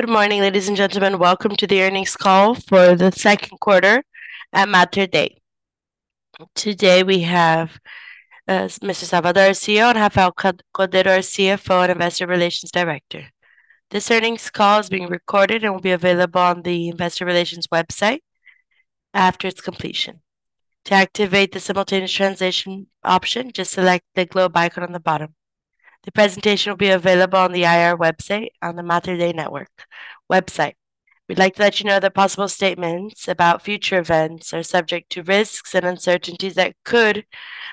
Good morning, ladies and gentlemen. Welcome to the earnings call for the second quarter at Mater Dei. Today, we have Mr. José Henrique Salvador and Rafael Cordeiro, our CFO and Investor Relations Director. This earnings call is being recorded and will be available on the Investor Relations website after its completion. To activate the simultaneous translation option, just select the globe icon on the bottom. The presentation will be available on the IR website, on the Mater Dei network website. We'd like to let you know that possible statements about future events are subject to risks and uncertainties that could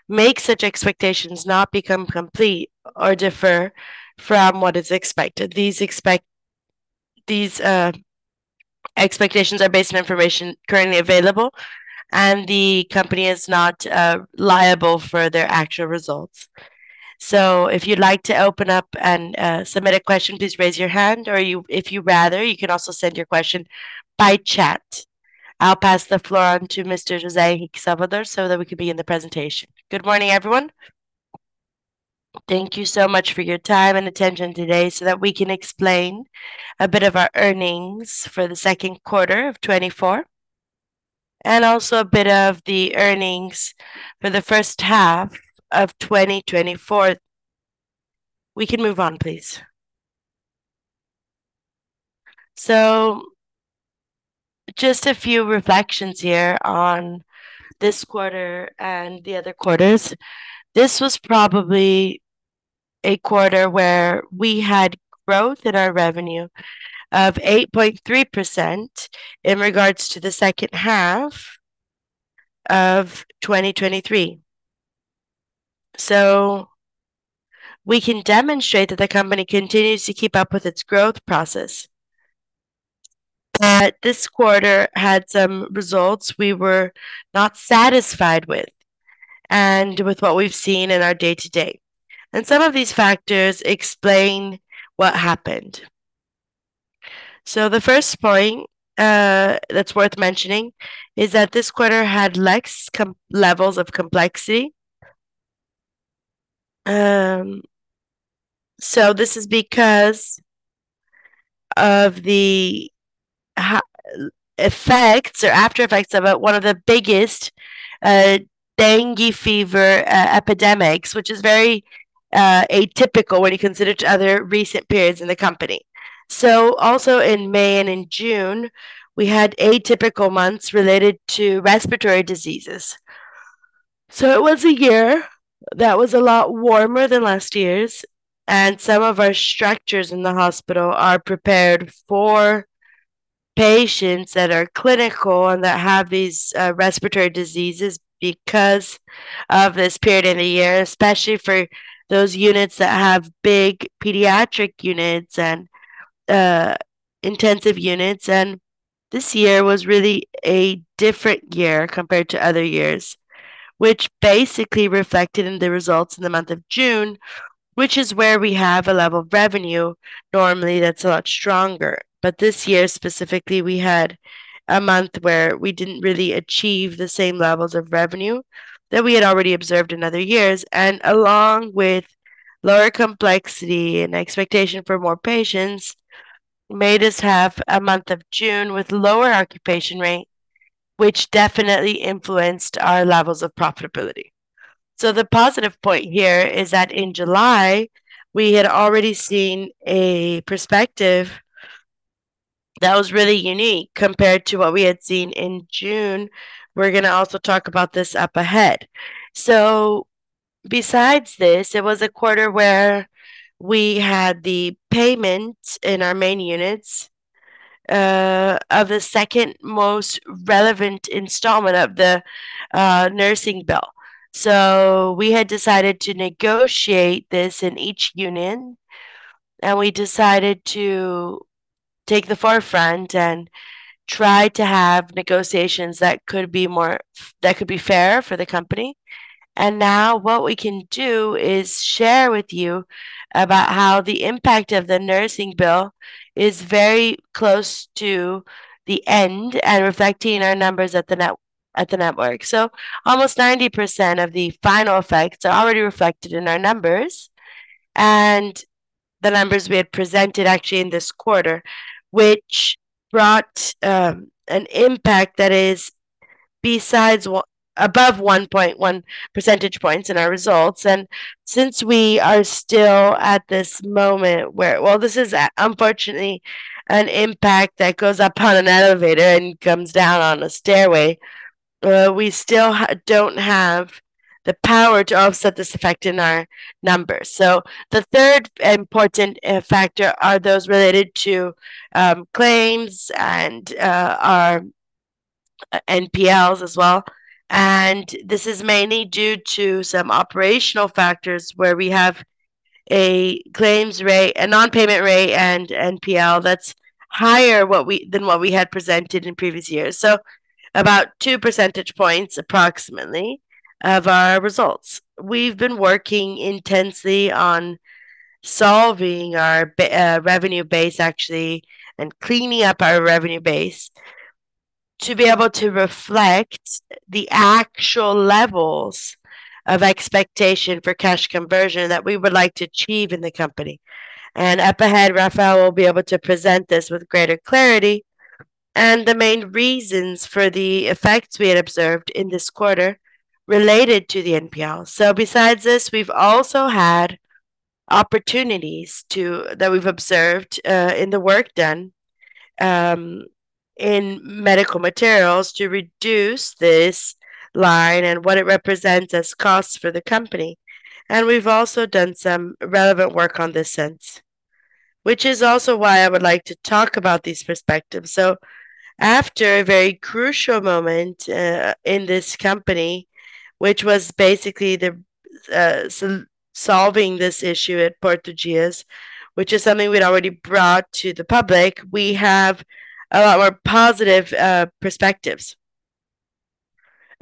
make such expectations not become complete or differ from what is expected. These expectations are based on information currently available, and the company is not liable for their actual results. So if you'd like to open up and submit a question, please raise your hand or if you'd rather, you can also send your question by chat. I'll pass the floor on to Mr. José Salvador, so that we can begin the presentation. Good morning, everyone. Thank you so much for your time and attention today, so that we can explain a bit of our earnings for the second quarter of 2024, and also a bit of the earnings for the first half of 2024. We can move on, please. So just a few reflections here on this quarter and the other quarters. This was probably a quarter where we had growth in our revenue of 8.3% in regards to the second half of 2023. So we can demonstrate that the company continues to keep up with its growth process. But this quarter had some results we were not satisfied with and with what we've seen in our day-to-day, and some of these factors explain what happened. So the first point that's worth mentioning is that this quarter had less levels of complexity. So this is because of the effects or after effects of one of the biggest dengue fever epidemics, which is very atypical when you consider to other recent periods in the company. So also in May and in June, we had atypical months related to respiratory diseases. It was a year that was a lot warmer than last year's, and some of our structures in the hospital are prepared for patients that are clinical and that have these respiratory diseases because of this period in the year, especially for those units that have big pediatric units and intensive units. This year was really a different year compared to other years, which basically reflected in the results in the month of June, which is where we have a level of revenue. Normally, that's a lot stronger, but this year specifically, we had a month where we didn't really achieve the same levels of revenue that we had already observed in other years. Along with lower complexity and expectation for more patients, made us have a month of June with lower occupation rate, which definitely influenced our levels of profitability. So the positive point here is that in July, we had already seen a perspective that was really unique compared to what we had seen in June. We're going to also talk about this up ahead. So besides this, it was a quarter where we had the payment in our main units of the second most relevant installment of the nursing bill. So we had decided to negotiate this in each unit, and we decided to take the forefront and try to have negotiations that could be fair for the company. And now what we can do is share with you about how the impact of the nursing bill is very close to the end and reflecting our numbers at the net, at the network. So almost 90% of the final effects are already reflected in our numbers and the numbers we had presented actually in this quarter, which brought an impact that is besides what above 1.1 percentage points in our results. Since we are still at this moment where... Well, this is unfortunately an impact that goes up on an elevator and comes down on a stairway. We still don't have the power to offset this effect in our numbers. So the third important factor are those related to claims and our NPLs as well. This is mainly due to some operational factors, where we have a claims rate, a non-payment rate, and NPL that's higher than what we had presented in previous years. So about two percentage points, approximately, of our results. We've been working intensely on solving our revenue base, actually, and cleaning up our revenue base to be able to reflect the actual levels of expectation for cash conversion that we would like to achieve in the company. And up ahead, Rafael will be able to present this with greater clarity, and the main reasons for the effects we had observed in this quarter related to the NPL. So besides this, we've also had opportunities that we've observed in the work done in medical materials to reduce this line and what it represents as costs for the company. And we've also done some relevant work in this sense, which is also why I would like to talk about these perspectives. So after a very crucial moment in this company, which was basically the solving this issue at Porto Dias, which is something we'd already brought to the public, we have a lot more positive perspectives.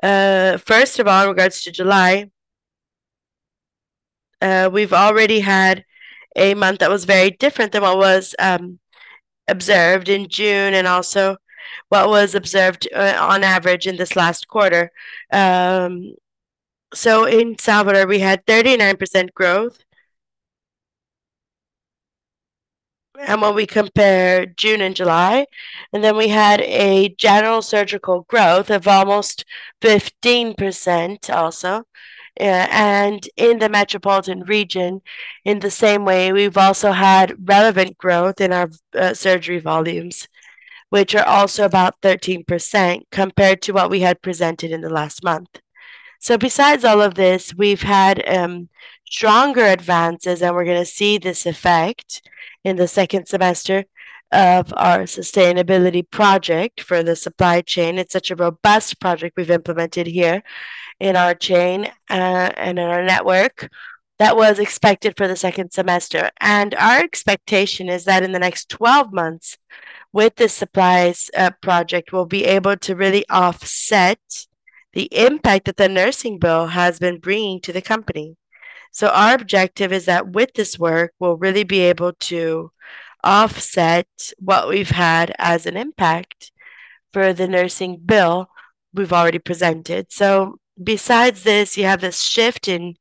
First of all, in regards to July, we've already had a month that was very different than what was observed in June and also what was observed on average in this last quarter. So in Salvador, we had 39% growth, and when we compare June and July, and then we had a general surgical growth of almost 15% also. And in the metropolitan region, in the same way, we've also had relevant growth in our surgery volumes, which are also about 13% compared to what we had presented in the last month. So besides all of this, we've had stronger advances, and we're gonna see this effect in the second semester of our sustainability project for the supply chain. It's such a robust project we've implemented here in our chain and in our network. That was expected for the second semester, and our expectation is that in the next 12 months, with the supplies project, we'll be able to really offset the impact that the nursing bill has been bringing to the company. So our objective is that with this work, we'll really be able to offset what we've had as an impact for the nursing bill we've already presented. So besides this, you have a shift in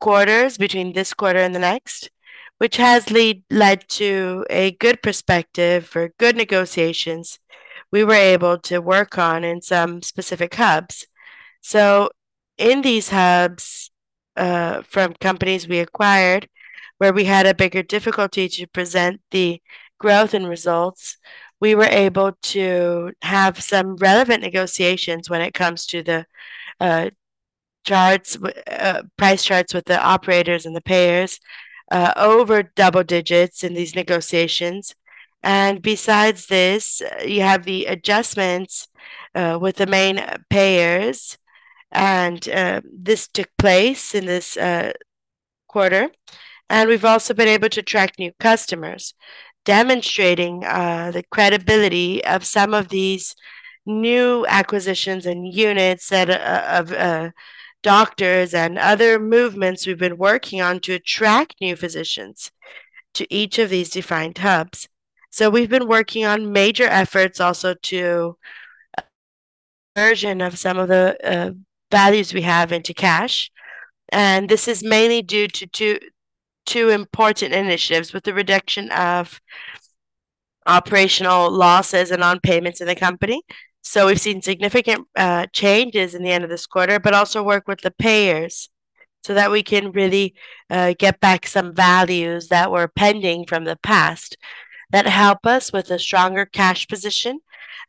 quarters between this quarter and the next, which has led to a good perspective for good negotiations we were able to work on in some specific hubs. So in these hubs, from companies we acquired, where we had a bigger difficulty to present the growth and results, we were able to have some relevant negotiations when it comes to the price charts with the operators and the payers, over double digits in these negotiations. Besides this, you have the adjustments with the main payers, and this took place in this quarter. We've also been able to attract new customers, demonstrating the credibility of some of these new acquisitions and units that of doctors and other movements we've been working on to attract new physicians to each of these defined hubs. So we've been working on major efforts also to conversion of some of the values we have into cash, and this is mainly due to two important initiatives with the reduction of operational losses and non-payments in the company. So we've seen significant changes in the end of this quarter, but also work with the payers, so that we can really get back some values that were pending from the past, that help us with a stronger cash position,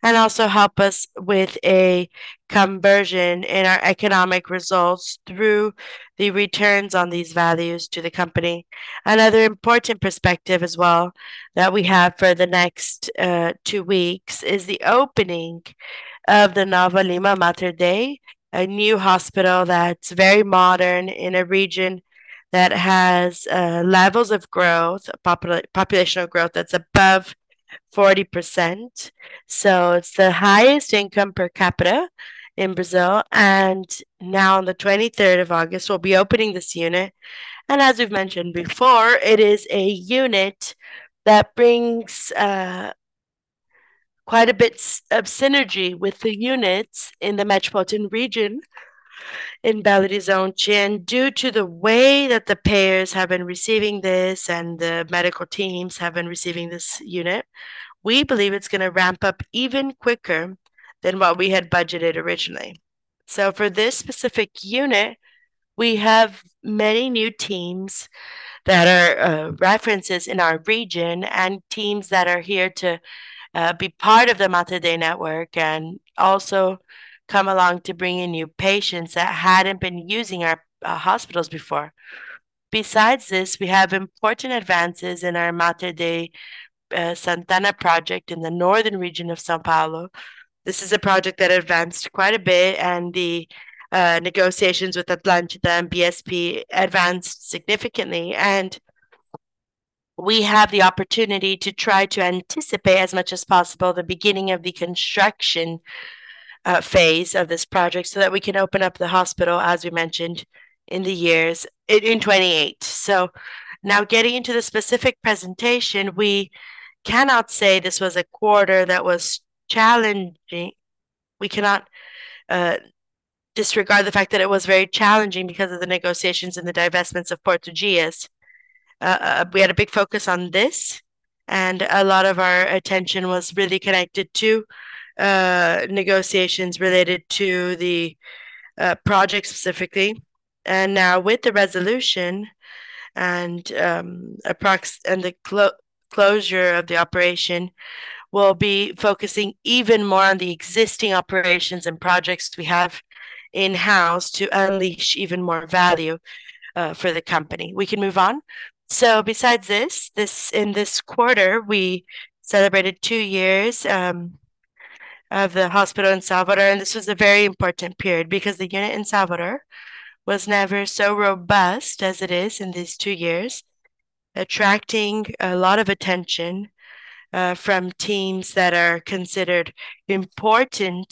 and also help us with a conversion in our economic results through the returns on these values to the company. Another important perspective as well, that we have for the next two weeks, is the opening of the Nova Lima Mater Dei, a new hospital that's very modern, in a region that has levels of growth, populational growth, that's above 40%. So it's the highest income per capita in Brazil, and now on the 23rd of August, we'll be opening this unit. And as we've mentioned before, it is a unit that brings quite a bit of synergy with the units in the metropolitan region, in Belo Horizonte. And due to the way that the payers have been receiving this, and the medical teams have been receiving this unit, we believe it's gonna ramp up even quicker than what we had budgeted originally. So for this specific unit, we have many new teams that are references in our region, and teams that are here to be part of the Mater Dei network, and also come along to bring in new patients that hadn't been using our hospitals before. Besides this, we have important advances in our Mater Dei Santana project in the northern region of São Paulo. This is a project that advanced quite a bit, and the negotiations with Atlântica and BSP advanced significantly, and we have the opportunity to try to anticipate as much as possible the beginning of the construction phase of this project, so that we can open up the hospital, as we mentioned, in 2028. So now getting into the specific presentation, we cannot say this was a quarter that was challenging. We cannot disregard the fact that it was very challenging because of the negotiations and the divestments of Porto Dias. We had a big focus on this, and a lot of our attention was really connected to negotiations related to the project specifically. Now, with the resolution and the closure of the operation, we'll be focusing even more on the existing operations and projects we have in-house to unleash even more value for the company. We can move on. Besides this, in this quarter, we celebrated two years of the hospital in Salvador, and this was a very important period because the unit in Salvador was never so robust as it is in these two years, attracting a lot of attention from teams that are considered important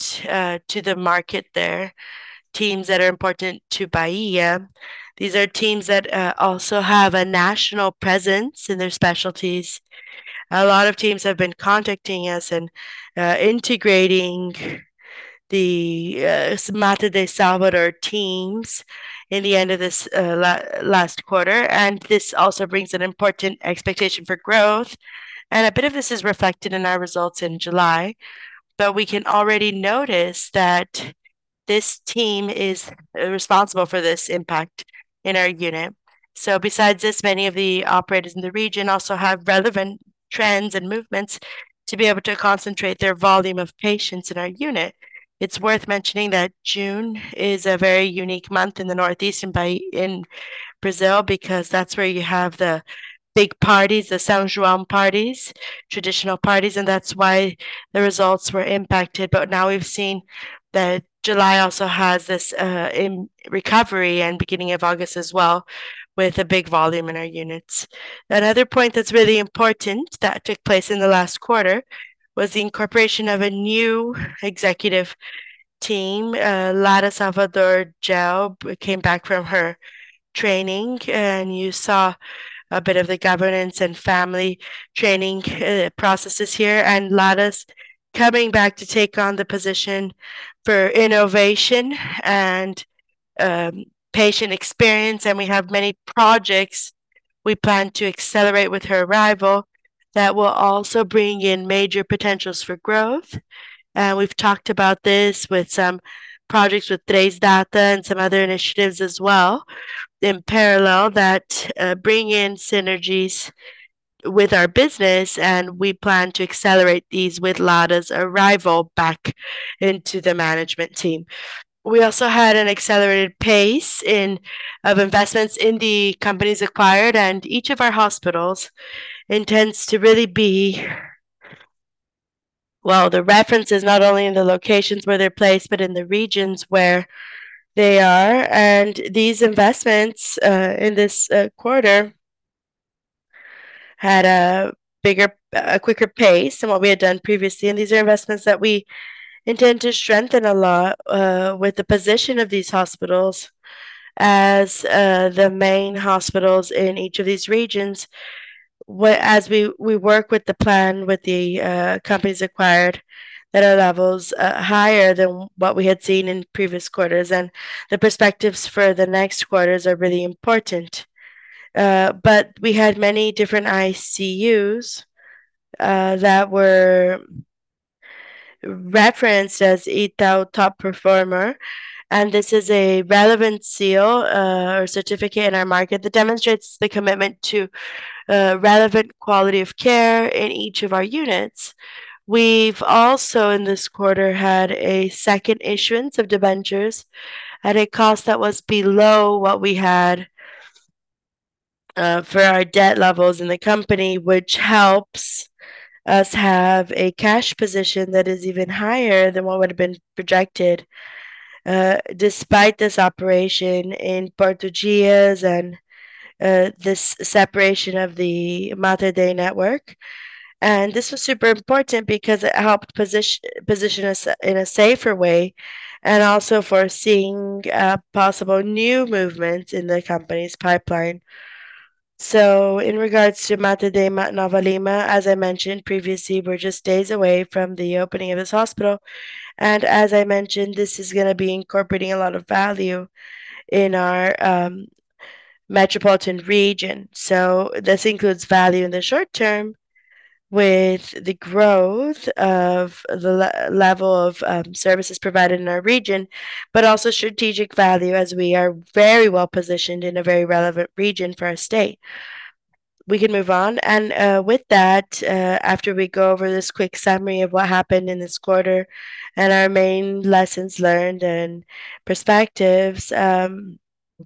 to the market there, teams that are important to Bahia. These are teams that also have a national presence in their specialties. A lot of teams have been contacting us and integrating the Mater Dei Salvador teams in the end of this last quarter, and this also brings an important expectation for growth, and a bit of this is reflected in our results in July. But we can already notice that this team is responsible for this impact in our unit. So besides this, many of the operators in the region also have relevant trends and movements to be able to concentrate their volume of patients in our unit. It's worth mentioning that June is a very unique month in the Northeast and in Brazil, because that's where you have the big parties, the São João parties, traditional parties, and that's why the results were impacted. But now we've seen that July also has this recovery and beginning of August as well, with a big volume in our units. Another point that's really important that took place in the last quarter was the incorporation of a new executive team. Lara Salvador Jacob came back from her training, and you saw a bit of the governance and family training processes here, and Lara's coming back to take on the position for innovation and patient experience, and we have many projects we plan to accelerate with her arrival that will also bring in major potentials for growth. And we've talked about this with some projects with A3Data and some other initiatives as well, in parallel, that bring in synergies with our business, and we plan to accelerate these with Lara's arrival back into the management team. We also had an accelerated pace of investments in the companies acquired, and each of our hospitals intends to really be... Well, the reference is not only in the locations where they're placed, but in the regions where they are, and these investments in this quarter had a bigger, a quicker pace than what we had done previously, and these are investments that we intend to strengthen a lot, with the position of these hospitals as the main hospitals in each of these regions. As we work with the plan, with the companies acquired, that are levels higher than what we had seen in previous quarters, and the perspectives for the next quarters are really important. But we had many different ICUs that were referenced as UTI Top Performer, and this is a relevant seal or certificate in our market that demonstrates the commitment to relevant quality of care in each of our units. We've also, in this quarter, had a second issuance of debentures at a cost that was below what we had for our debt levels in the company, which helps us have a cash position that is even higher than what would have been projected, despite this operation in Porto Dias and this separation of the Mater Dei network. And this was super important because it helped position us in a safer way and also for seeing possible new movements in the company's pipeline. So in regards to Mater Dei Nova Lima, as I mentioned previously, we're just days away from the opening of this hospital, and as I mentioned, this is gonna be incorporating a lot of value in our metropolitan region. So this includes value in the short term, with the growth of the level of services provided in our region, but also strategic value, as we are very well-positioned in a very relevant region for our state. We can move on, and with that, after we go over this quick summary of what happened in this quarter and our main lessons learned and perspectives,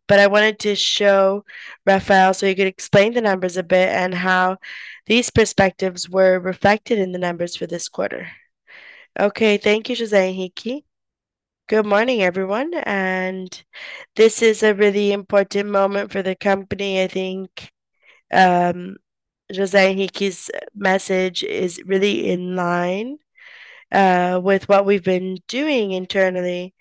but I wanted to show Rafael so he could explain the numbers a bit and how these perspectives were reflected in the numbers for this quarter. Okay, thank you, José Henrique. Good morning, everyone, and this is a really important moment for the company. I think, José Henrique's message is really in line with what we've been doing internally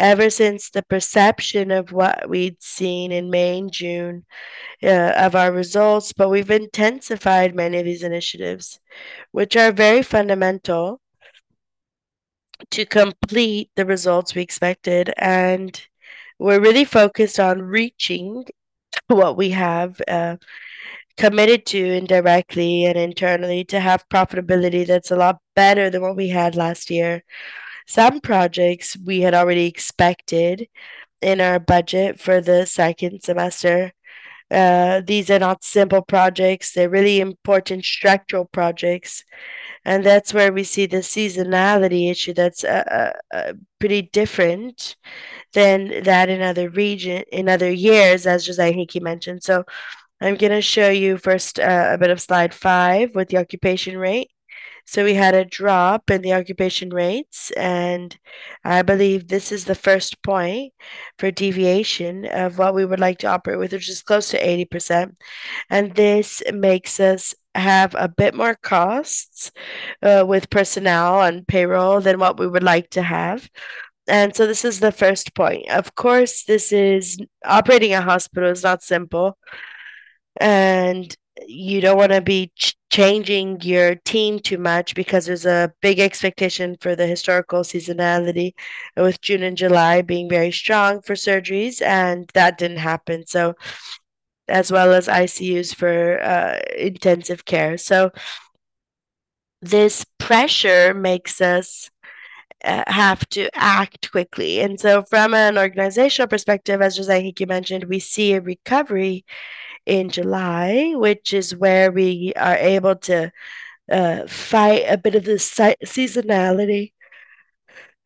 ever since the perception of what we'd seen in May and June of our results. But we've intensified many of these initiatives, which are very fundamental to complete the results we expected, and we're really focused on reaching what we have committed to indirectly and internally to have profitability that's a lot better than what we had last year. Some projects we had already expected in our budget for the second semester. These are not simple projects. They're really important structural projects, and that's where we see the seasonality issue that's pretty different than that in other years, as José Henrique mentioned. So I'm going to show you first a bit of slide 5 with the occupation rate. So we had a drop in the occupation rates, and I believe this is the first point for deviation of what we would like to operate with, which is close to 80%, and this makes us have a bit more costs with personnel and payroll than what we would like to have. And so this is the first point. Of course, this is operating a hospital is not simple, and you don't want to be changing your team too much because there's a big expectation for the historical seasonality, with June and July being very strong for surgeries, and that didn't happen, so... As well as ICUs for intensive care. So this pressure makes us have to act quickly. And so from an organizational perspective, as José Henrique mentioned, we see a recovery in July, which is where we are able to fight a bit of the seasonality,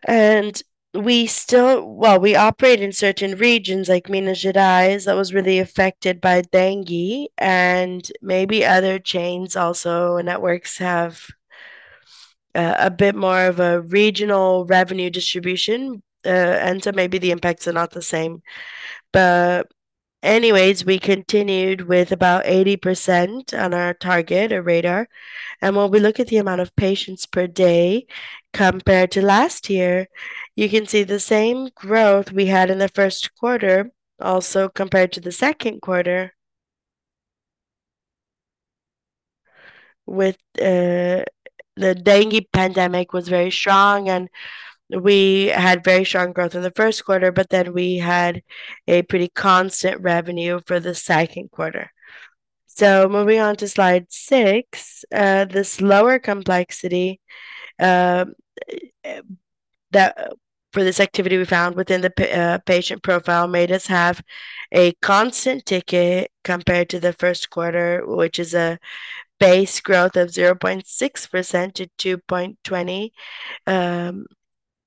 and we still. Well, we operate in certain regions, like Minas Gerais, that was really affected by dengue, and maybe other chains also, and networks have a bit more of a regional revenue distribution, and so maybe the impacts are not the same. But anyways, we continued with about 80% on our target or radar, and when we look at the amount of patients per day compared to last year, you can see the same growth we had in the first quarter, also compared to the second quarter. With the dengue pandemic was very strong, and we had very strong growth in the first quarter, but then we had a pretty constant revenue for the second quarter. So moving on to slide 6, this lower complexity for this activity we found within the patient profile made us have a constant ticket compared to the first quarter, which is a base growth of 0.6%-2.20%.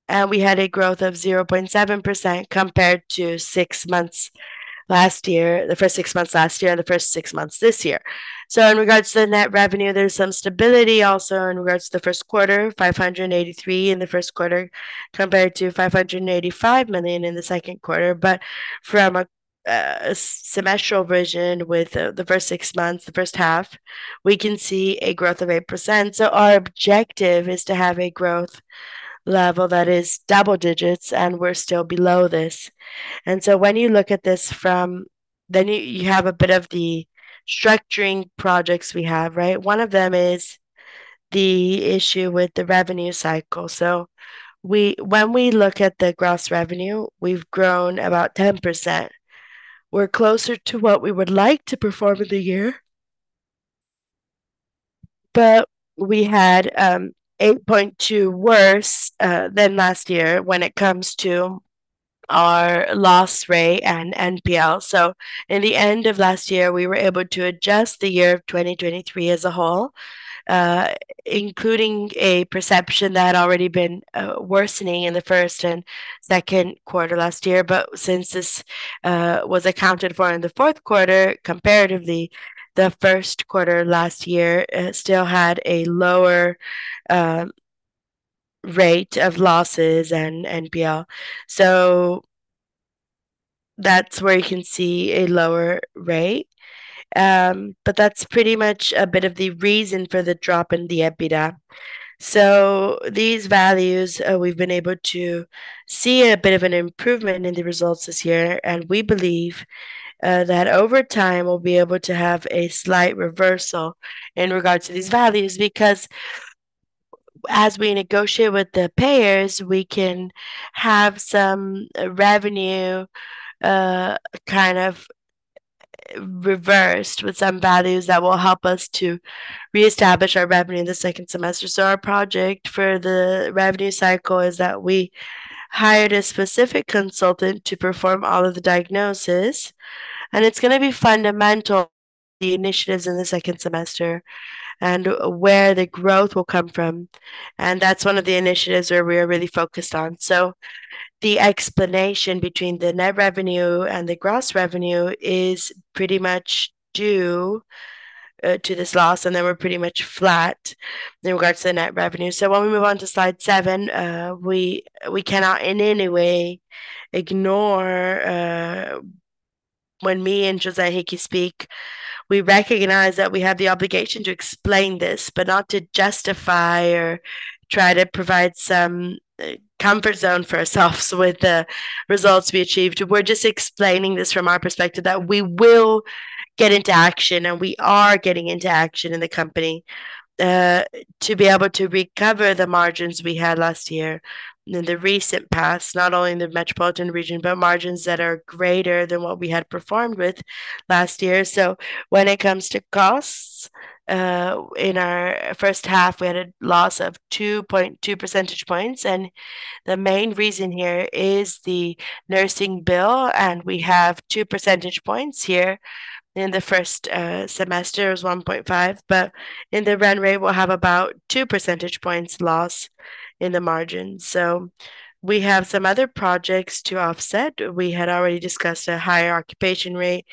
And we had a growth of 0.7% compared to 6 months last year, the first six months last year and the first 6 months this year. So in regards to the net revenue, there's some stability also in regards to the first quarter, 583 million in the first quarter, compared to 585 million in the second quarter. But from a semestral vision, with the first six months, the first half, we can see a growth of 8%. So our objective is to have a growth level that is double digits, and we're still below this. And so when you look at this from... Then you have a bit of the structuring projects we have, right? One of them is the issue with the revenue cycle. So when we look at the gross revenue, we've grown about 10%. We're closer to what we would like to perform in the year, but we had 8.2 worse than last year when it comes to our loss rate and NPL. So in the end of last year, we were able to adjust the year of 2023 as a whole, including a perception that had already been worsening in the first and second quarter last year. But since this was accounted for in the fourth quarter, comparatively, the first quarter last year still had a lower rate of losses and NPL. So that's where you can see a lower rate. But that's pretty much a bit of the reason for the drop in the EBITDA. So these values, we've been able to see a bit of an improvement in the results this year, and we believe that over time, we'll be able to have a slight reversal in regards to these values. Because as we negotiate with the payers, we can have some revenue kind of reversed with some values that will help us to reestablish our revenue in the second semester. So our projection for the revenue cycle is that we hired a specific consultant to perform all of the diagnosis, and it's going to be fundamental, the initiatives in the second semester and where the growth will come from, and that's one of the initiatives where we are really focused on. So the explanation between the net revenue and the gross revenue is pretty much due to this loss, and then we're pretty much flat in regards to the net revenue. So when we move on to slide 7, we cannot in any way ignore, when me and José Henrique speak, we recognize that we have the obligation to explain this, but not to justify or try to provide some comfort zone for ourselves with the results we achieved. We're just explaining this from our perspective, that we will get into action, and we are getting into action in the company, to be able to recover the margins we had last year in the recent past, not only in the metropolitan region, but margins that are greater than what we had performed with last year. So when it comes to costs, in our first half, we had a loss of two percentage points, and the main reason here is the nursing bill, and we have two percentage points here. In the first semester, it was 1.5, but in the run rate, we'll have about two percentage points loss in the margin. So we have some other projects to offset. We had already discussed a higher occupation rate,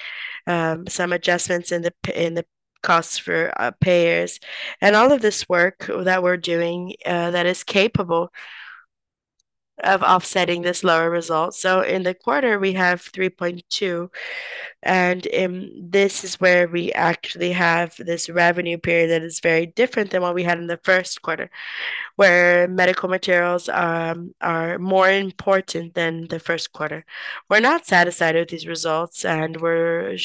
some adjustments in the costs for payers, and all of this work that we're doing, that is capable of offsetting this lower result. So in the quarter, we have 3.2, and this is where we actually have this revenue period that is very different than what we had in the first quarter, where medical materials are more important than the first quarter. We're not satisfied with these results, and we're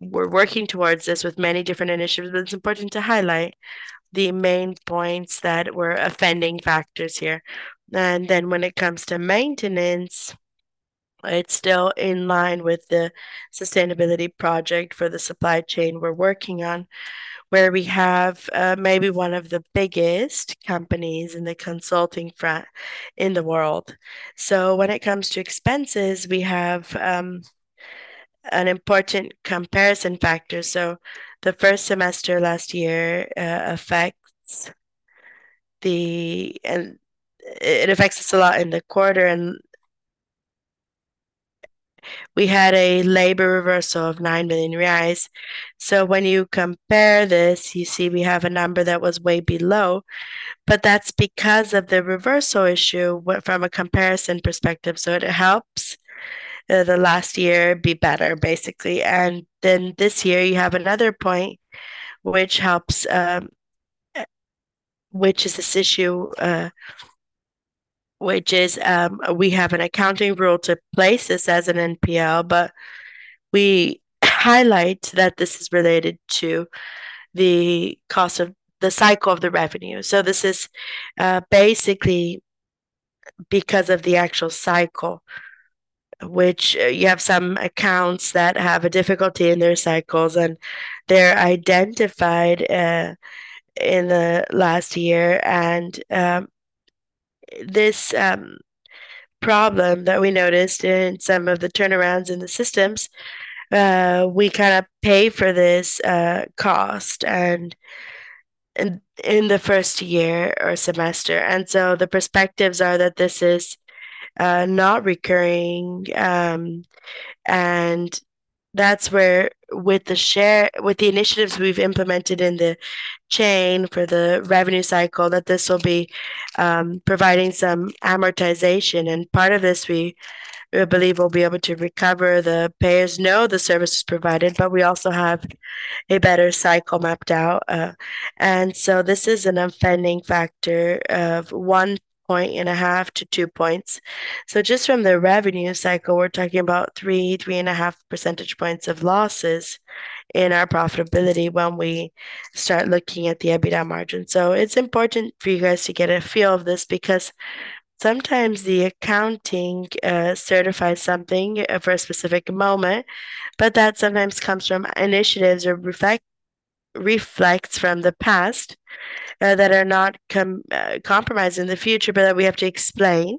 working towards this with many different initiatives, but it's important to highlight the main points that were offending factors here. Then when it comes to maintenance, it's still in line with the sustainability project for the supply chain we're working on, where we have maybe one of the biggest companies in the consulting in the world. So when it comes to expenses, we have an important comparison factor. So the first semester last year affects the and it affects us a lot in the quarter, and we had a labor reversal of nine million reais. So when you compare this, you see we have a number that was way below, but that's because of the reversal issue from a comparison perspective, so it helps the last year be better, basically. Then this year, you have another point which helps, which is this issue, which is we have an accounting rule to place this as an NPL, but we highlight that this is related to the cost of the cycle of the revenue. So this is basically because of the actual cycle, which you have some accounts that have a difficulty in their cycles, and they're identified in the last year. This problem that we noticed in some of the turnarounds in the systems, we kind of pay for this cost and in the first year or semester. So the perspectives are that this is not recurring, and that's where with the initiatives we've implemented in the chain for the revenue cycle, that this will be providing some amortization. Part of this, we believe we'll be able to recover. The payers know the service is provided, but we also have a better cycle mapped out, and so this is an offending factor of 1.5-two points. So just from the revenue cycle, we're talking about three-3.5 percentage points of losses in our profitability when we start looking at the EBITDA margin. So it's important for you guys to get a feel of this, because sometimes the accounting certifies something for a specific moment, but that sometimes comes from initiatives or reflects from the past that are not compromised in the future, but that we have to explain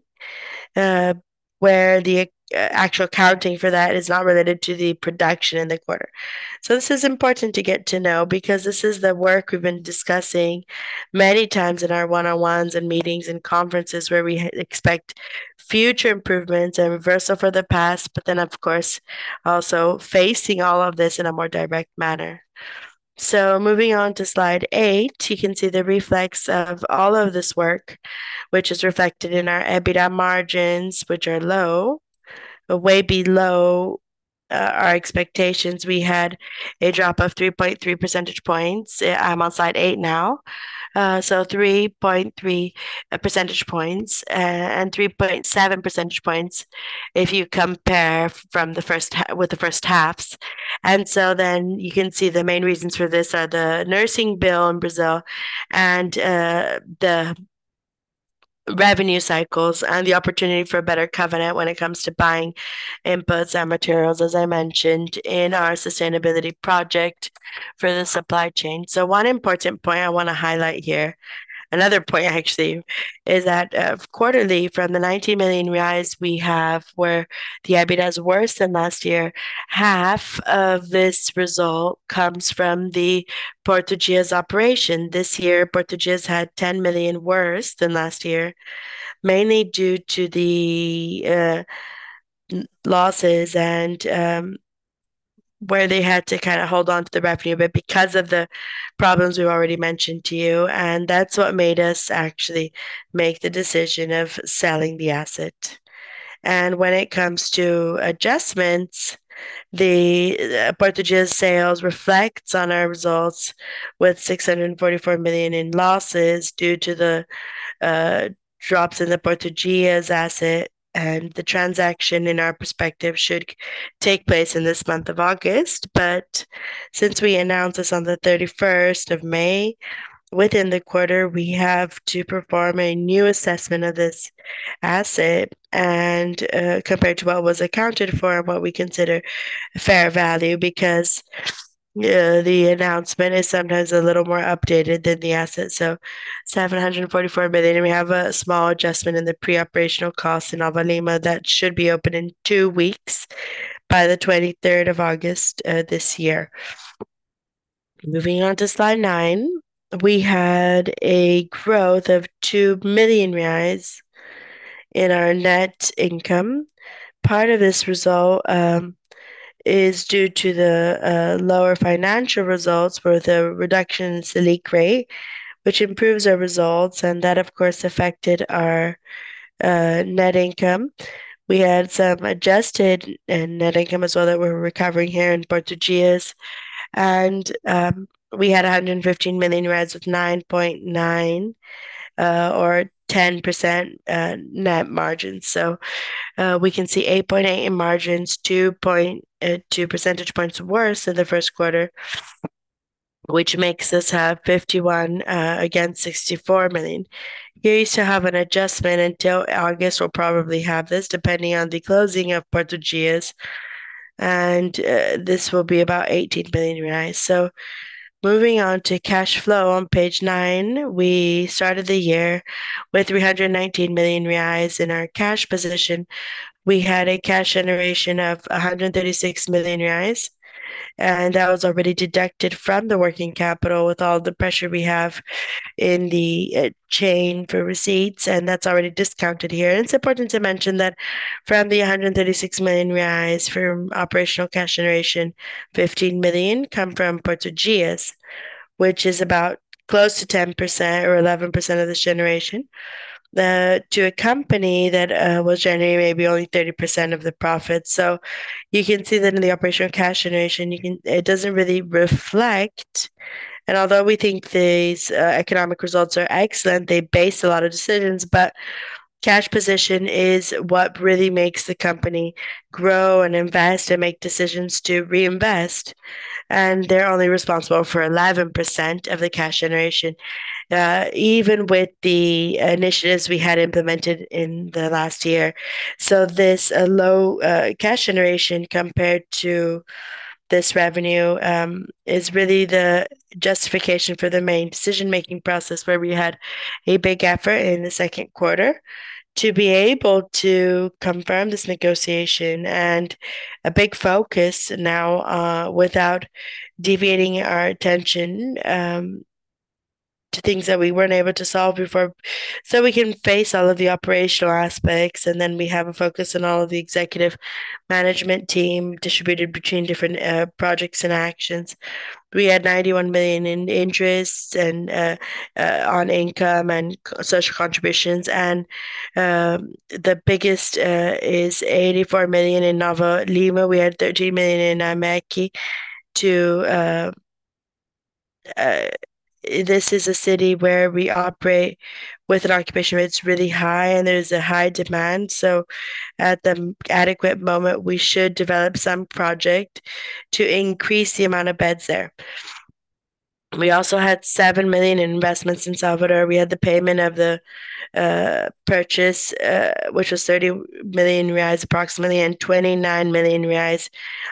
where the actual accounting for that is not related to the production in the quarter. So this is important to get to know, because this is the work we've been discussing many times in our one-on-ones and meetings and conferences, where we expect future improvements and reversal for the past, but then, of course, also facing all of this in a more direct manner. So moving on to slide eight, you can see the effects of all of this work, which is reflected in our EBITDA margins, which are low, way below our expectations. We had a drop of 3.3 percentage points. I'm on slide eigt now. So 3.3 percentage points, and 3.7 percentage points if you compare from the first half with the first halves. So then you can see the main reasons for this are the nursing bill in Brazil and the revenue cycles and the opportunity for a better covenant when it comes to buying inputs and materials, as I mentioned in our sustainability project for the supply chain. One important point I want to highlight here, another point actually, is that quarterly, from the 90 million reais we have, where the EBITDA is worse than last year, half of this result comes from the Porto Dias operation. This year, Porto Dias had 10 million worse than last year, mainly due to the losses and where they had to kind of hold on to the revenue, but because of the problems we've already mentioned to you, and that's what made us actually make the decision of selling the asset. When it comes to adjustments, the Porto Dias sales reflects on our results with 644 million in losses due to the drops in the Porto Dias asset. The transaction, in our perspective, should take place in this month of August. But since we announced this on the 31st of May, within the quarter, we have to perform a new assessment of this asset and compared to what was accounted for and what we consider fair value, because the announcement is sometimes a little more updated than the asset. So 744 million, we have a small adjustment in the pre-operational costs in Nova Lima that should be open in two weeks, by the 23rd of August, this year. Moving on to slide nine, we had a growth of two million reais in our net income. Part of this result is due to the lower financial results for the reductions in Selic rate, which improves our results, and that, of course, affected our net income. We had some adjusted and net income as well that we're recovering here in Porto Dias. We had 115 million with 9.9% or 10% net margin. So we can see 8.8% in margins, 2.2 percentage points worse than the first quarter, which makes us have 51 against 64 million. Here is to have an adjustment until August. We'll probably have this, depending on the closing of Porto Dias, and this will be about 18 million reais. So moving on to cash flow on page nine, we started the year with 319 million reais in our cash position. We had a cash generation of 136 million reais, and that was already deducted from the working capital with all the pressure we have in the chain for receipts, and that's already discounted here. It's important to mention that from the 136 million reais for operational cash generation, 15 million come from Porto Dias, which is about close to 10% or 11% of this generation. To a company that will generate maybe only 30% of the profit. So you can see that in the operational cash generation, it doesn't really reflect. Although we think these economic results are excellent, they base a lot of decisions, but cash position is what really makes the company grow and invest and make decisions to reinvest, and they're only responsible for 11% of the cash generation, even with the initiatives we had implemented in the last year. So this low cash generation compared to this revenue is really the justification for the main decision-making process, where we had a big effort in the second quarter to be able to confirm this negotiation and a big focus now, without deviating our attention to things that we weren't able to solve before. So we can face all of the operational aspects, and then we have a focus on all of the executive management team distributed between different projects and actions. We had 91 million in interests and on income and social contributions, and the biggest is 84 million in Nova Lima. We had 13 million in EMEC, too. This is a city where we operate with an occupation rate that's really high, and there's a high demand. So at the adequate moment, we should develop some project to increase the amount of beds there. We also had seven million in investments in Salvador. We had the payment of the purchase, which was 30 million reais, approximately, and 29 million reais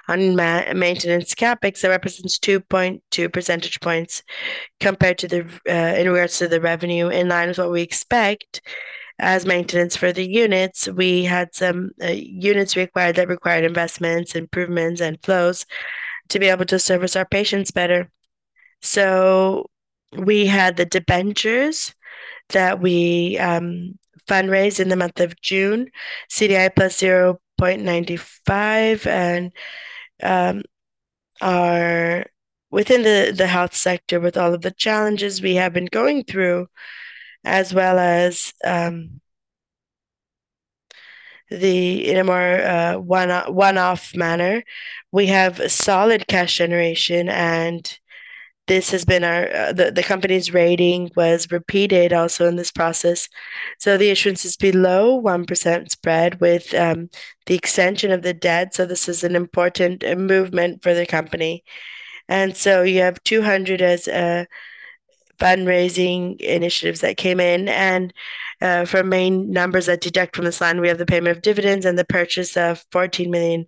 on maintenance CapEx. That represents 2.2 percentage points compared to the in regards to the revenue, in line with what we expect as maintenance for the units. We had some units required that required investments, improvements, and flows to be able to service our patients better. So we had the debentures that we fundraised in the month of June, CDI + 0.95%, and are within the health sector, with all of the challenges we have been going through, as well as the in a more one-off manner. We have a solid cash generation, and this has been our the company's rating was repeated also in this process. So the issuance is below 1% spread with the extension of the debt. So this is an important movement for the company. And so you have 200 million as fundraising initiatives that came in. And for main numbers that deduct from this line, we have the payment of dividends and the purchase of 14 million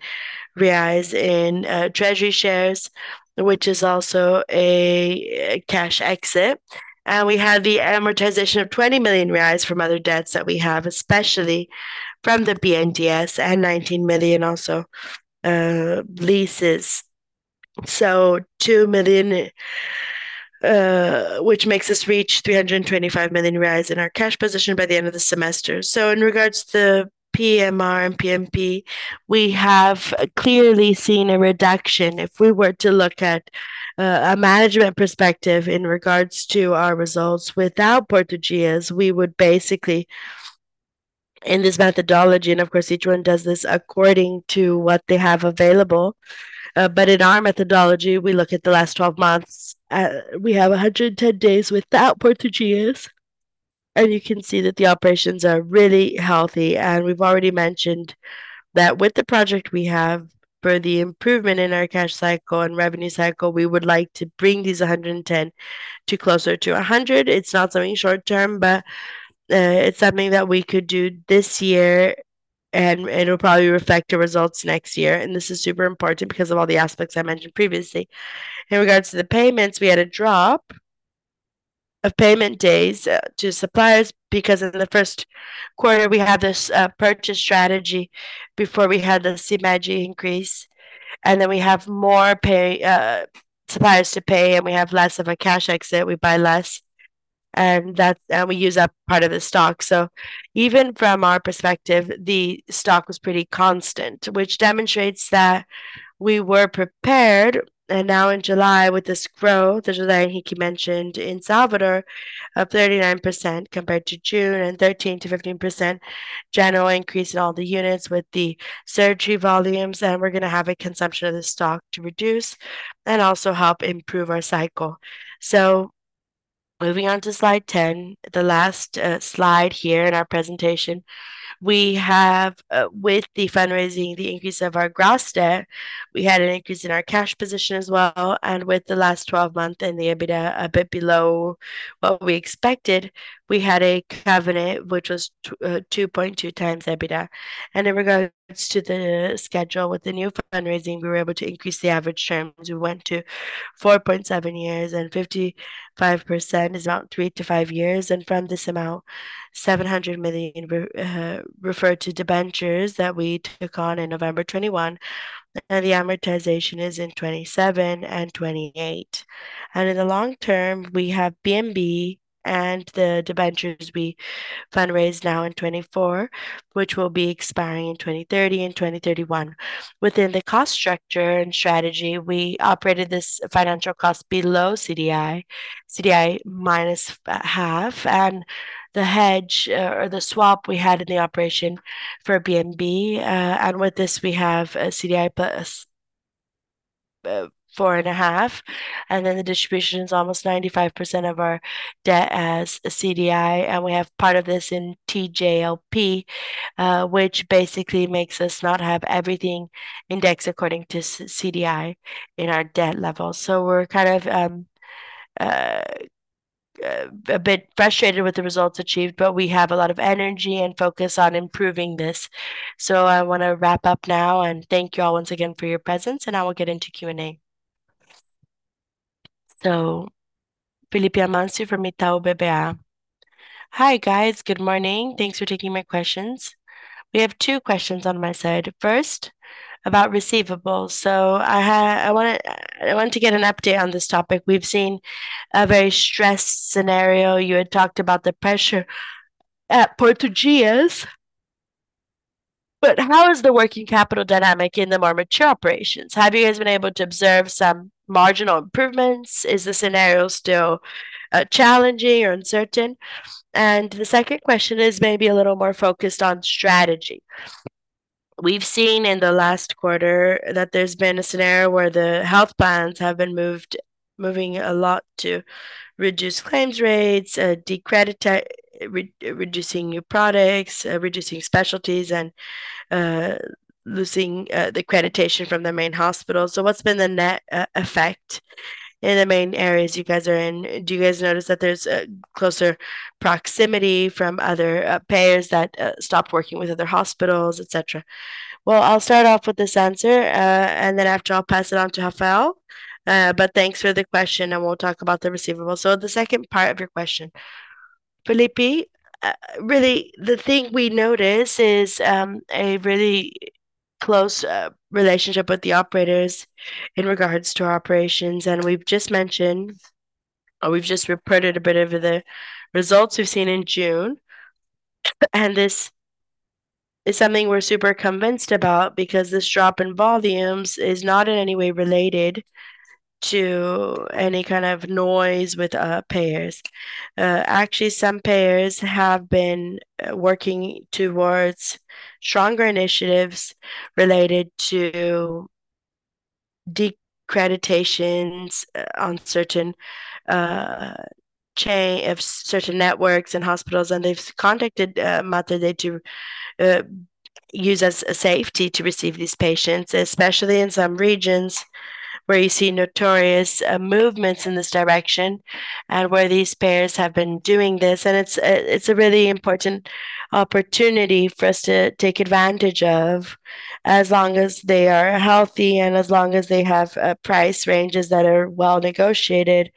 reais in treasury shares, which is also a cash exit. We had the amortization of 20 million reais from other debts that we have, especially from the BNDES, and 19 million also from leases. two million, which makes us reach 325 million reais in our cash position by the end of the semester. In regards to the PMR and PMP, we have clearly seen a reduction. If we were to look at a management perspective in regards to our results without Porto Dias, we would basically, in this methodology, and of course, each one does this according to what they have available. But in our methodology, we look at the last 12 months, we have 110 days without Porto Dias, and you can see that the operations are really healthy. We've already mentioned that with the project we have for the improvement in our cash cycle and revenue cycle, we would like to bring these 110 to closer to 100. It's not something short term, but, it's something that we could do this year, and it'll probably reflect the results next year. This is super important because of all the aspects I mentioned previously. In regards to the payments, we had a drop of payment days to suppliers, because in the first quarter, we had this purchase strategy before we had the CMG increase, and then we have more pay suppliers to pay, and we have less of a cash exit. We buy less, and that and we use up part of the stock. So even from our perspective, the stock was pretty constant, which demonstrates that we were prepared. Now in July, with this growth, as Joaquin mentioned, in Salvador, of 39%, compared to June, and 13%-15% general increase in all the units with the surgery volumes, and we're going to have a consumption of the stock to reduce and also help improve our cycle. Moving on to slide 10, the last slide here in our presentation, we have, with the fundraising, the increase of our gross debt, we had an increase in our cash position as well, and with the last twelve month and the EBITDA a bit below what we expected, we had a covenant, which was 2.2 times EBITDA. In regards to the schedule, with the new fundraising, we were able to increase the average terms. We went to 4.7 years, and 55% is about 3-5 years, and from this amount, 700 million referred to debentures that we took on in November 2021, and the amortization is in 2027 and 2028. In the long term, we have BNB and the debentures we fundraised now in 2024, which will be expiring in 2030 and 2031. Within the cost structure and strategy, we operated this financial cost below CDI, CDI minus half, and the hedge, or the swap we had in the operation for BNB. And with this, we have a CDI + 4.5, and then the distribution is almost 95% of our debt as CDI, and we have part of this in TJLP, which basically makes us not have everything indexed according to Selic-CDI in our debt level. So we're kind of a bit frustrated with the results achieved, but we have a lot of energy and focus on improving this. So I want to wrap up now and thank you all once again for your presence, and I will get into Q&A. So Filipe Amancio from Itaú BBA. Hi, guys. Good morning. Thanks for taking my questions. We have two questions on my side. First, about receivables. So I want to get an update on this topic. We've seen a very stressed scenario. You had talked about the pressure at Porto Dias, but how is the working capital dynamic in the more mature operations? Have you guys been able to observe some marginal improvements? Is the scenario still challenging or uncertain? And the second question is maybe a little more focused on strategy. We've seen in the last quarter that there's been a scenario where the health plans have been moving a lot to reduce claims rates, de-credentialing, reducing new products, reducing specialties, and losing the accreditation from the main hospital. So what's been the net effect in the main areas you guys are in? Do you guys notice that there's a closer proximity from other payers that stopped working with other hospitals, et cetera? Well, I'll start off with this answer, and then after, I'll pass it on to Rafael. Thanks for the question, and we'll talk about the receivables. So the second part of your question, Filipe, really, the thing we notice is a really close relationship with the operators in regards to our operations, and we've just mentioned, or we've just reported a bit of the results we've seen in June. And this is something we're super convinced about, because this drop in volumes is not in any way related to any kind of noise with payers. Actually, some payers have been working towards stronger initiatives related to decreditations on certain of certain networks and hospitals, and they've contacted Mater Dei to use as a safety to receive these patients, especially in some regions where you see notorious movements in this direction and where these payers have been doing this. It's a really important opportunity for us to take advantage of, as long as they are healthy and as long as they have price ranges that are well negotiated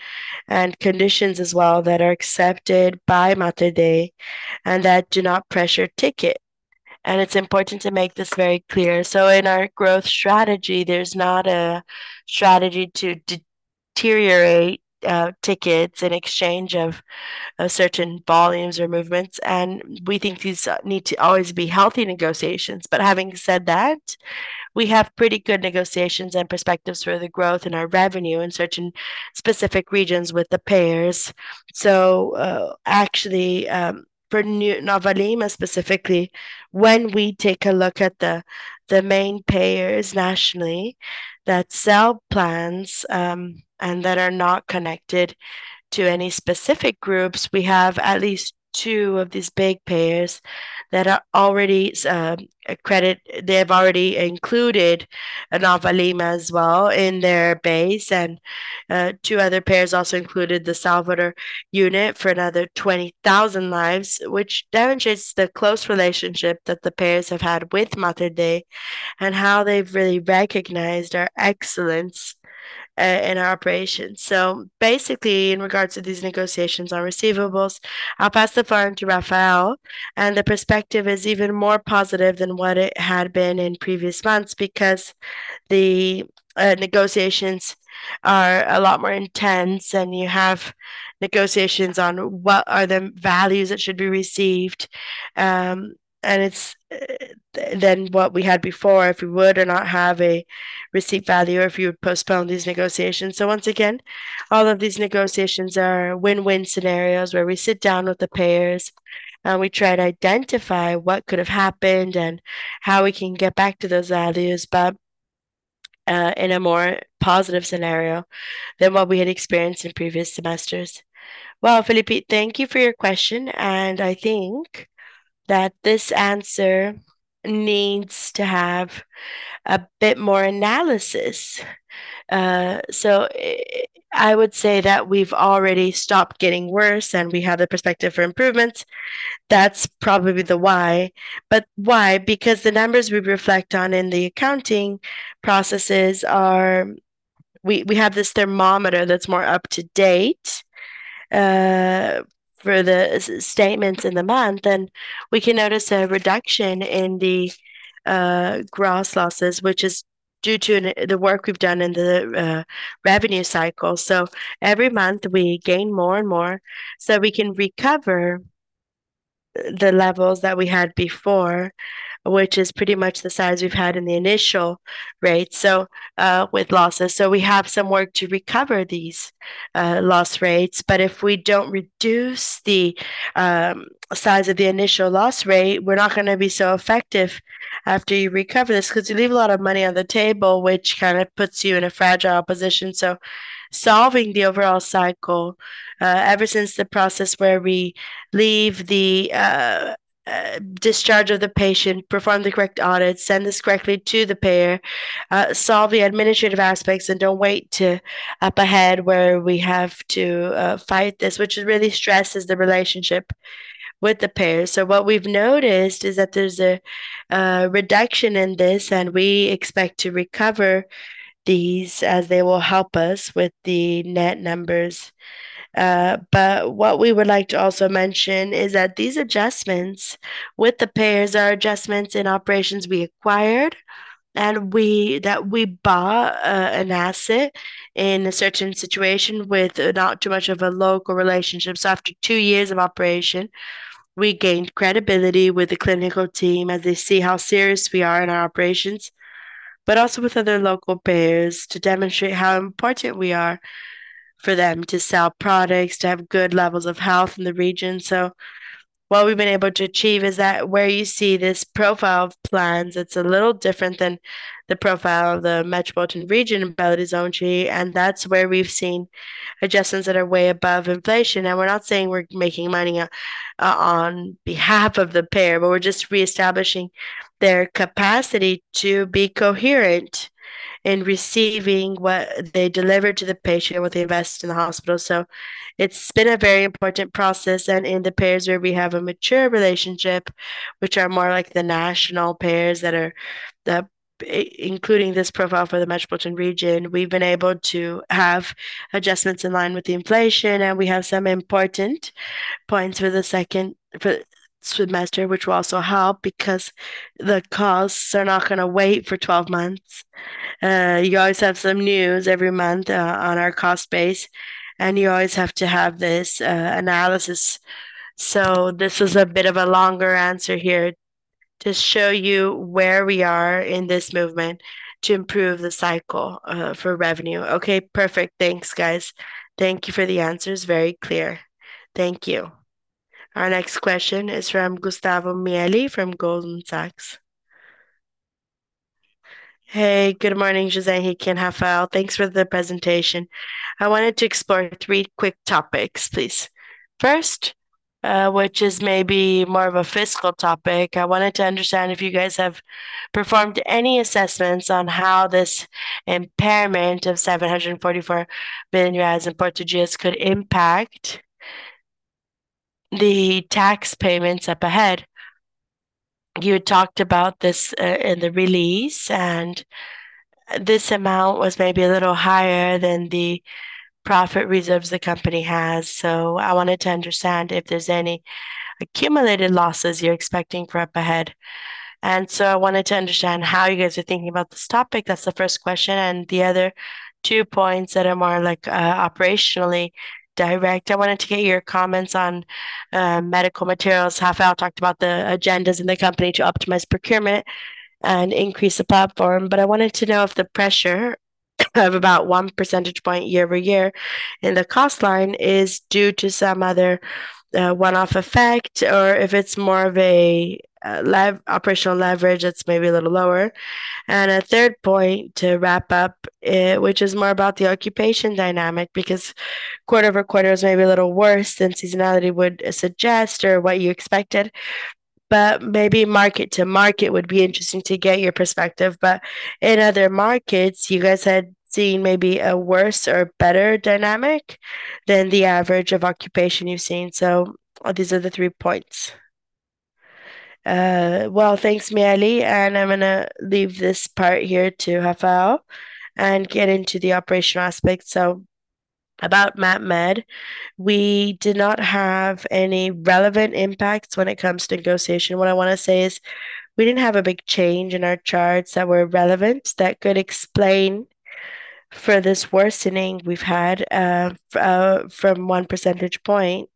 and conditions as well that are accepted by Mater Dei and that do not pressure ticket. And it's important to make this very clear. So in our growth strategy, there's not a strategy to de-deteriorate tickets in exchange of certain volumes or movements, and we think these need to always be healthy negotiations. But having said that, we have pretty good negotiations and perspectives for the growth in our revenue in certain specific regions with the payers. So, actually, for New Nova Lima specifically, when we take a look at the main payers nationally that sell plans, and that are not connected to any specific groups, we have at least two of these big payers that are already credited. They have already included Nova Lima as well in their base, and two other payers also included the Salvador unit for another 20,000 lives, which demonstrates the close relationship that the payers have had with Mater Dei, and how they've really recognized our excellence in our operations. So basically, in regards to these negotiations on receivables, I'll pass the floor on to Rafael, and the perspective is even more positive than what it had been in previous months, because the negotiations are a lot more intense, and you have negotiations on what are the values that should be received. And it's than what we had before, if we would or not have a receipt value or if you would postpone these negotiations. So once again, all of these negotiations are win-win scenarios, where we sit down with the payers, and we try to identify what could have happened and how we can get back to those values, but in a more positive scenario than what we had experienced in previous semesters. Well, Filipe, thank you for your question, and I think that this answer needs to have a bit more analysis. So I would say that we've already stopped getting worse, and we have the perspective for improvement. That's probably the why. But why? Because the numbers we reflect on in the accounting processes are, we have this thermometer that's more up to date for the statements in the month, and we can notice a reduction in the gross losses, which is due to the work we've done in the revenue cycle. So every month, we gain more and more, so we can recover the levels that we had before, which is pretty much the size we've had in the initial rate, so with losses. So we have some work to recover these loss rates, but if we don't reduce the size of the initial loss rate, we're not going to be so effective after you recover this, because you leave a lot of money on the table, which kind of puts you in a fragile position. So solving the overall cycle, ever since the process where we leave the discharge of the patient, perform the correct audit, send this correctly to the payer, solve the administrative aspects, and don't wait to up ahead, where we have to fight this, which really stresses the relationship with the payer. So what we've noticed is that there's a reduction in this, and we expect to recover these, as they will help us with the net numbers. But what we would like to also mention is that these adjustments with the payers are adjustments in operations we acquired, and that we bought an asset in a certain situation with not too much of a local relationship. After two years of operation, we gained credibility with the clinical team as they see how serious we are in our operations, but also with other local payers to demonstrate how important we are for them to sell products, to have good levels of health in the region. What we've been able to achieve is that where you see this profile of plans, it's a little different than the profile of the metropolitan region about its own GE, and that's where we've seen adjustments that are way above inflation. We're not saying we're making money on behalf of the payer, but we're just reestablishing their capacity to be coherent in receiving what they deliver to the patient, what they invest in the hospital. So it's been a very important process, and in the payers where we have a mature relationship, which are more like the national payers that are including this profile for the metropolitan region, we've been able to have adjustments in line with the inflation, and we have some important points for the second semester, which will also help because the costs are not going to wait for twelve months. You always have some news every month on our cost base, and you always have to have this analysis. So this is a bit of a longer answer here to show you where we are in this movement to improve the cycle for revenue. Okay, perfect. Thanks, guys. Thank you for the answers. Very clear. Thank you. Our next question is from Gustavo Miele from Goldman Sachs. Hey, good morning, José Henrique, and Rafael. Thanks for the presentation. I wanted to explore three quick topics, please. First, which is maybe more of a fiscal topic, I wanted to understand if you guys have performed any assessments on how this impairment of BRL 744 million could impact the tax payments up ahead. You had talked about this in the release, and this amount was maybe a little higher than the profit reserves the company has. So I wanted to understand if there's any accumulated losses you're expecting for up ahead. And so I wanted to understand how you guys are thinking about this topic. That's the first question, and the other two points that are more like operationally direct. I wanted to get your comments on medical materials. Rafael talked about the agendas in the company to optimize procurement and increase the platform, but I wanted to know if the pressure of about 1 percentage point year-over-year, and the cost line is due to some other, one-off effect, or if it's more of a, operational leverage, it's maybe a little lower. And a third point to wrap up, which is more about the occupation dynamic, because quarter-over-quarter is maybe a little worse than seasonality would suggest or what you expected, but maybe market to market would be interesting to get your perspective. But in other markets, you guys had seen maybe a worse or better dynamic than the average of occupation you've seen. So these are the three points. Well, thanks, Miele, and I'm gonna leave this part here to Rafael and get into the operational aspect. About MatMed, we did not have any relevant impacts when it comes to negotiation. What I wanna say is we didn't have a big change in our charts that were relevant, that could explain for this worsening we've had, from one percentage point,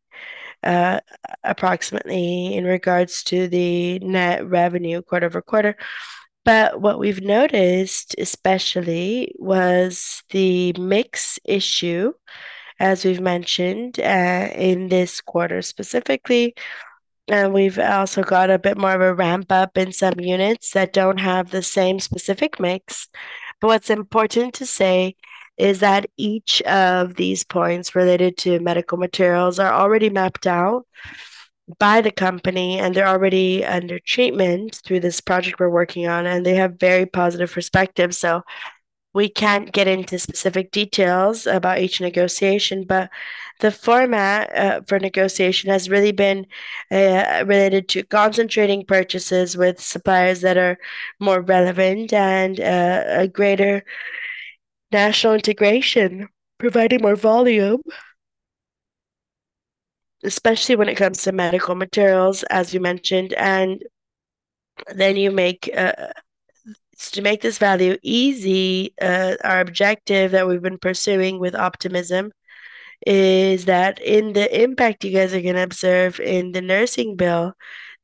approximately in regards to the net revenue quarter-over-quarter. But what we've noticed, especially, was the mix issue, as we've mentioned, in this quarter, specifically, and we've also got a bit more of a ramp up in some units that don't have the same specific mix. What's important to say is that each of these points related to medical materials are already mapped out by the company, and they're already under treatment through this project we're working on, and they have very positive perspectives. So we can't get into specific details about each negotiation, but the format for negotiation has really been related to concentrating purchases with suppliers that are more relevant and a greater national integration, providing more volume, especially when it comes to medical materials, as you mentioned. And then to make this value easy, our objective that we've been pursuing with optimism is that in the impact you guys are gonna observe in the nursing bill,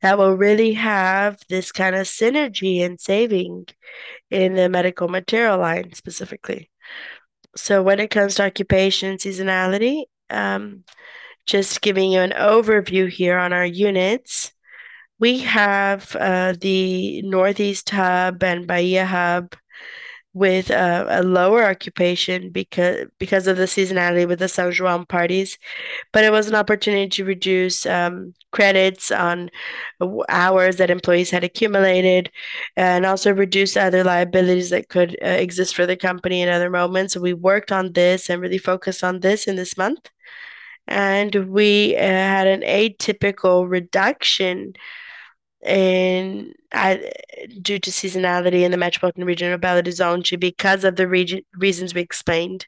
that will really have this kind of synergy and saving in the medical material line specifically. So when it comes to occupation seasonality, just giving you an overview here on our units. We have the Northeast hub and Bahia hub with a lower occupation because of the seasonality with the São João parties. It was an opportunity to reduce credits on hours that employees had accumulated, and also reduce other liabilities that could exist for the company in other moments. We worked on this and really focused on this in this month, and we had an atypical reduction due to seasonality in the metropolitan region of Belo Horizonte, because of the reasons we explained.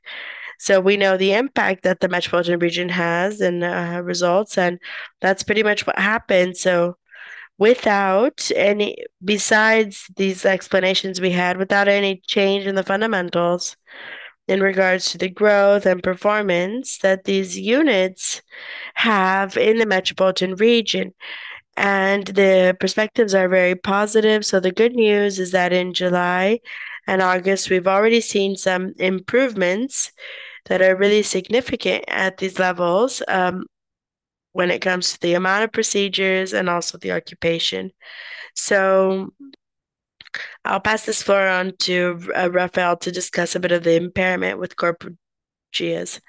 We know the impact that the metropolitan region has and results, and that's pretty much what happened. Without any... Besides these explanations we had, without any change in the fundamentals in regards to the growth and performance that these units have in the metropolitan region, and the perspectives are very positive. So the good news is that in July and August, we've already seen some improvements that are really significant at these levels, when it comes to the amount of procedures and also the occupation. So I'll pass this floor on to Rafael to discuss a bit of the impairment with Corporate M&As.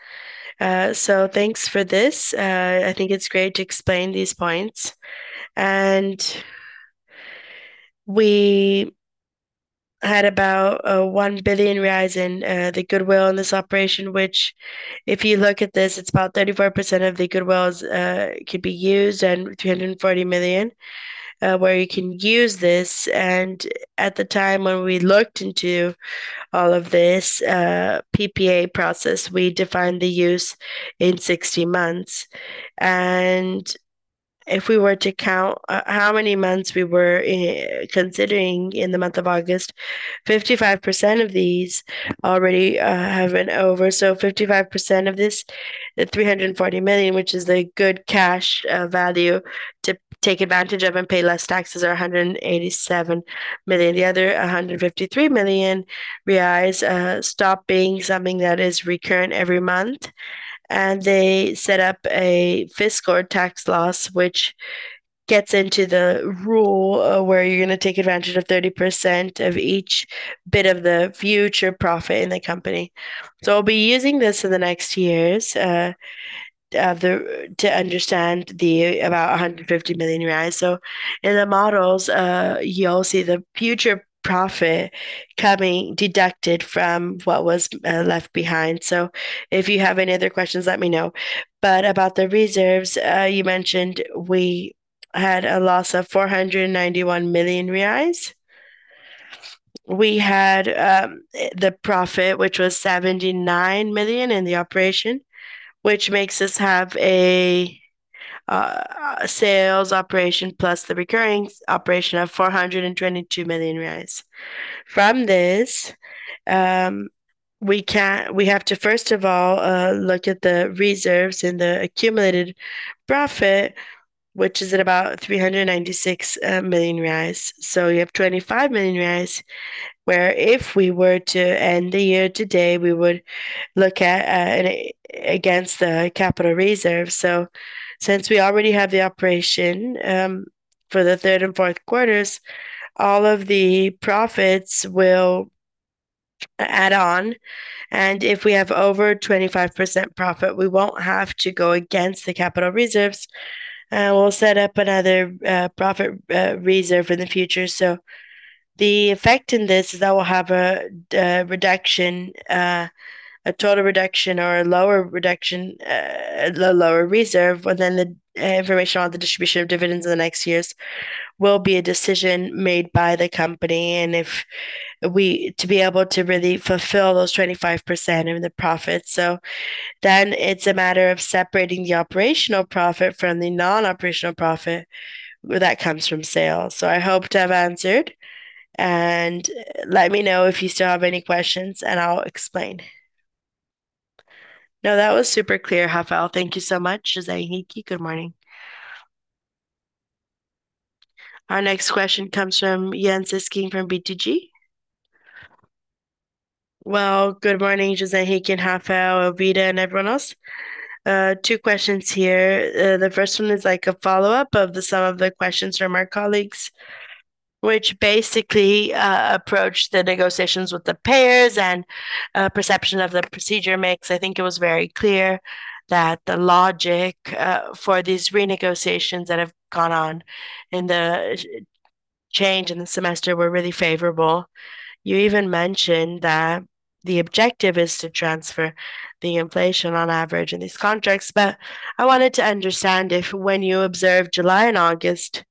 So thanks for this. I think it's great to explain these points. And we had about a 1 billion rise in the goodwill in this operation, which, if you look at this, it's about 34% of the goodwill, could be used, and 340 million, where you can use this. And at the time when we looked into all of this, PPA process, we defined the use in 60 months. If we were to count how many months we were considering in the month of August, 55% of these already have been over. So 55% of this, the 340 million, which is a good cash value to take advantage of and pay less taxes, are 187 million. The other 153 million reais stop being something that is recurrent every month, and they set up a fiscal tax loss, which gets into the rule where you're gonna take advantage of 30% of each bit of the future profit in the company. So I'll be using this in the next years to understand about 150 million reais. So in the models, you'll see the future profit coming deducted from what was left behind. So if you have any other questions, let me know. But about the reserves, you mentioned we had a loss of 491 million reais. We had the profit, which was 79 million in the operation, which makes us have a sales operation plus the recurring operation of 422 million reais. From this, we have to, first of all, look at the reserves and the accumulated profit, which is at about 396 million reais. So you have 25 million reais, where if we were to end the year today, we would look at against the capital reserve. So since we already have the operation for the third and fourth quarters, all of the profits will add on, and if we have over 25% profit, we won't have to go against the capital reserves, we'll set up another profit reserve in the future. So the effect in this is that we'll have a reduction, a total reduction or a lower reduction, a lower reserve, but then the information on the distribution of dividends in the next years will be a decision made by the company, and to be able to really fulfill those 25% of the profits. So then it's a matter of separating the operational profit from the non-operational profit that comes from sales. So I hope to have answered, and let me know if you still have any questions, and I'll explain. No, that was super clear, Rafael. Thank you so much, José Henrique. Good morning. Our next question comes from Yan Cesquim from BTG. Well, good morning, José Henrique, and Rafael, Ovida, and everyone else. Two questions here. The first one is like a follow-up of some of the questions from our colleagues, which basically approach the negotiations with the payers and perception of the procedure mix. I think it was very clear that the logic for these renegotiations that have gone on in the change in the semester were really favorable. You even mentioned that the objective is to transfer the inflation on average in these contracts, but I wanted to understand if when you observed July and August,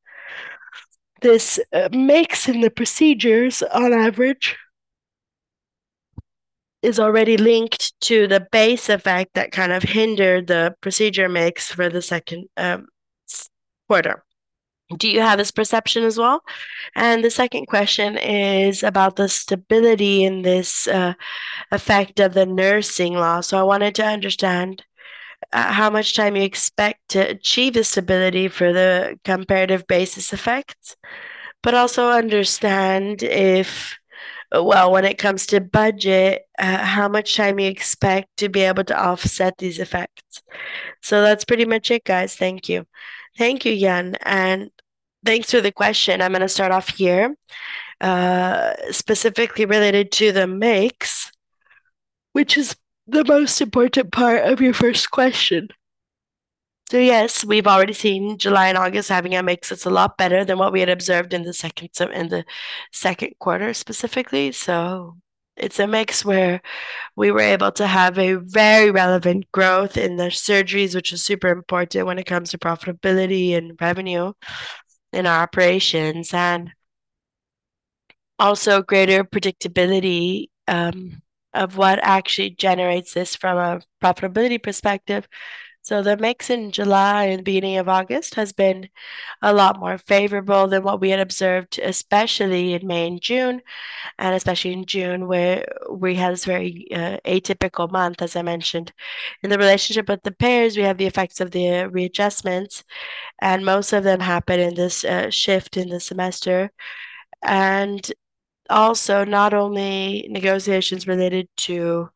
this, mix in the procedures, on average, is already linked to the base effect that kind of hindered the procedure mix for the second, quarter. Do you have this perception as well? And the second question is about the stability in this, effect of the nursing law. So I wanted to understand, how much time you expect to achieve this stability for the comparative basis effects, but also understand if, well, when it comes to budget, how much time you expect to be able to offset these effects. So that's pretty much it, guys. Thank you. Thank you, Yan, and thanks for the question. I'm gonna start off here. Specifically related to the mix, which is the most important part of your first question. So yes, we've already seen July and August having a mix that's a lot better than what we had observed in the second quarter, specifically. So it's a mix where we were able to have a very relevant growth in the surgeries, which is super important when it comes to profitability and revenue in our operations, and also greater predictability of what actually generates this from a profitability perspective. So the mix in July and the beginning of August has been a lot more favorable than what we had observed, especially in May and June, and especially in June, where we had this very atypical month, as I mentioned. In the relationship with the payers, we have the effects of the readjustments, and most of them happened in this shift in the semester. And also, not only negotiations related to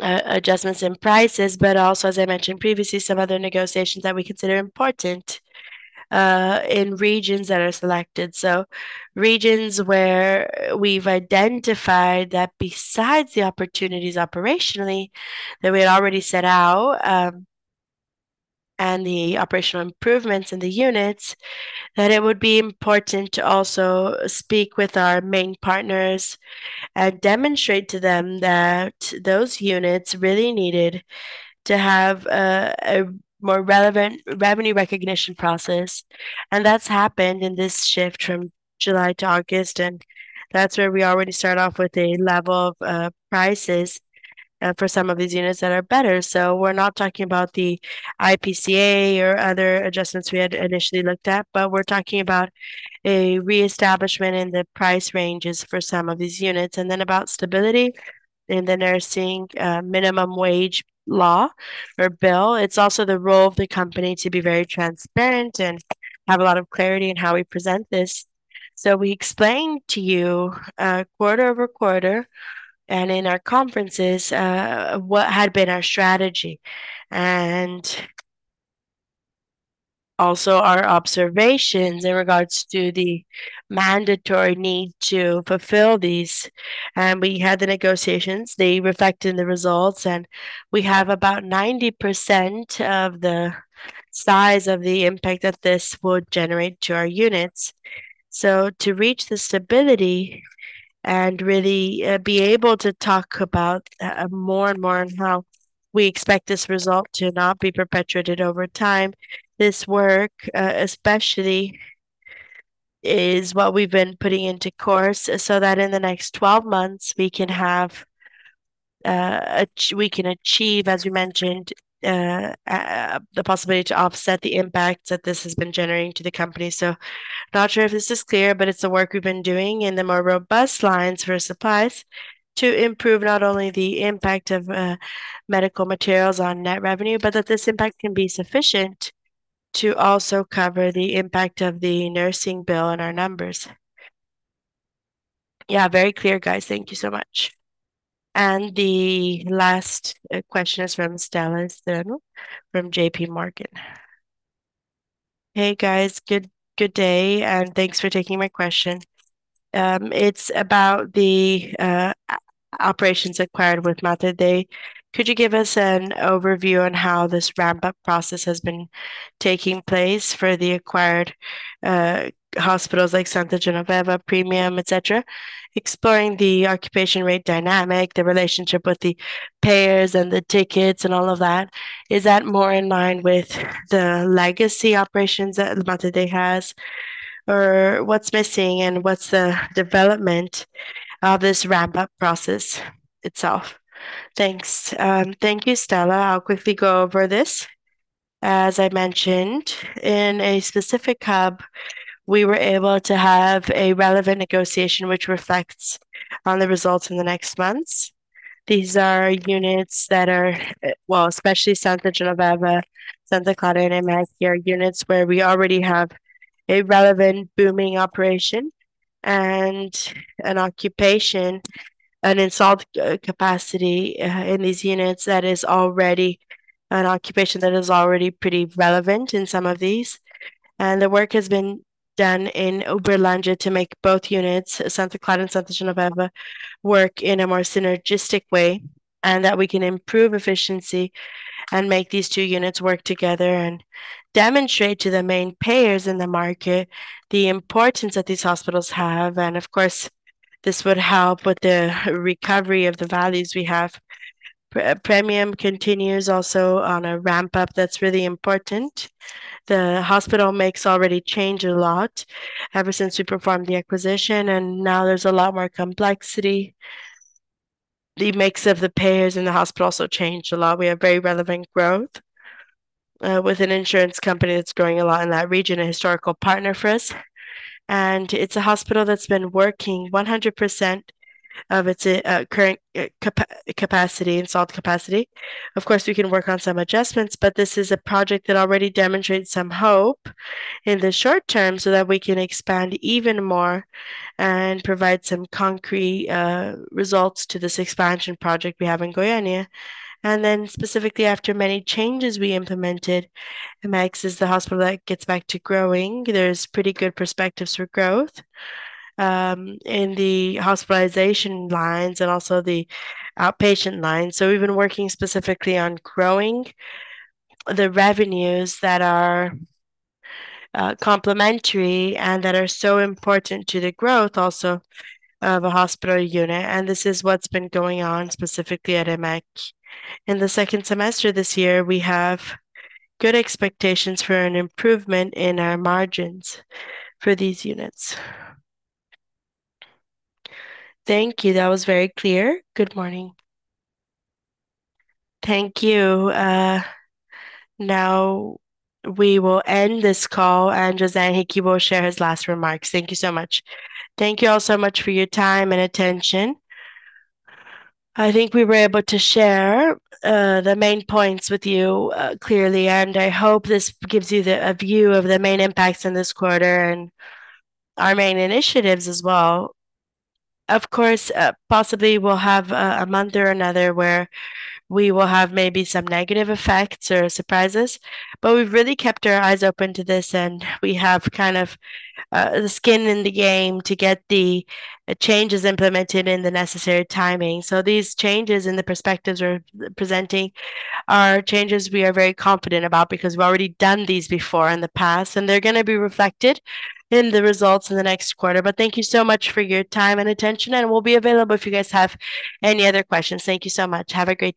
adjustments in prices, but also, as I mentioned previously, some other negotiations that we consider important in regions that are selected. So regions where we've identified that besides the opportunities operationally, that we had already set out, and the operational improvements in the units, that it would be important to also speak with our main partners and demonstrate to them that those units really needed to have a more relevant revenue recognition process. And that's happened in this shift from July to August, and that's where we already start off with a level of prices for some of these units that are better. So we're not talking about the IPCA or other adjustments we had initially looked at, but we're talking about a reestablishment in the price ranges for some of these units. And then about stability in the nursing minimum wage law or bill. It's also the role of the company to be very transparent and have a lot of clarity in how we present this. So we explained to you quarter-over-quarter, and in our conferences, what had been our strategy, and also our observations in regards to the mandatory need to fulfill these. And we had the negotiations, they reflected in the results, and we have about 90% of the size of the impact that this would generate to our units. So to reach the stability and really be able to talk about more and more on how we expect this result to not be perpetuated over time, this work especially is what we've been putting into course, so that in the next 12 months, we can have we can achieve, as we mentioned, the possibility to offset the impact that this has been generating to the company. So not sure if this is clear, but it's the work we've been doing in the more robust lines for supplies to improve not only the impact of medical materials on net revenue, but that this impact can be sufficient to also cover the impact of the nursing bill on our numbers. Yeah, very clear, guys. Thank you so much. And the last question is from Stella Stern from J.P. Morgan. Hey, guys. Good, good day, and thanks for taking my question. It's about the operations acquired with Mater Dei. Could you give us an overview on how this ramp-up process has been taking place for the acquired hospitals, like Santa Genoveva, Premium, et cetera? Exploring the occupation rate dynamic, the relationship with the payers and the tickets and all of that, is that more in line with the legacy operations that Mater Dei has, or what's missing, and what's the development of this ramp-up process itself? Thanks. Thank you, Stella. I'll quickly go over this. As I mentioned, in a specific hub, we were able to have a relevant negotiation, which reflects on the results in the next months. These are units that are... Well, especially Santa Genoveva, Santa Clara, and EMEC, they are units where we already have a relevant booming operation and an occupation, an installed capacity in these units that is already an occupation that is already pretty relevant in some of these. The work has been done in Uberlândia to make both units, Santa Clara and Santa Genoveva, work in a more synergistic way, and that we can improve efficiency and make these two units work together and demonstrate to the main payers in the market the importance that these hospitals have. Of course, this would help with the recovery of the values we have. Premium continues also on a ramp-up that's really important. The hospital makes already changed a lot ever since we performed the acquisition, and now there's a lot more complexity. The mix of the payers in the hospital also changed a lot. We have very relevant growth with an insurance company that's growing a lot in that region, a historical partner for us, and it's a hospital that's been working 100% of its current capacity, installed capacity. Of course, we can work on some adjustments, but this is a project that already demonstrates some hope in the short term, so that we can expand even more and provide some concrete results to this expansion project we have in Goiânia. And then specifically, after many changes we implemented, EMEC is the hospital that gets back to growing. There's pretty good perspectives for growth in the hospitalization lines and also the outpatient lines. So we've been working specifically on growing the revenues that are, complementary and that are so important to the growth also of a hospital unit, and this is what's been going on, specifically at EMEC. In the second semester this year, we have good expectations for an improvement in our margins for these units. Thank you. That was very clear. Good morning. Thank you. Now we will end this call, and José Henrique will share his last remarks. Thank you so much. Thank you all so much for your time and attention. I think we were able to share, the main points with you, clearly, and I hope this gives you the a view of the main impacts in this quarter and our main initiatives as well. Of course, possibly we'll have a month or another where we will have maybe some negative effects or surprises, but we've really kept our eyes open to this, and we have kind of the skin in the game to get the changes implemented in the necessary timing. So these changes in the perspectives we're presenting are changes we are very confident about because we've already done these before in the past, and they're gonna be reflected in the results in the next quarter. But thank you so much for your time and attention, and we'll be available if you guys have any other questions. Thank you so much. Have a great day.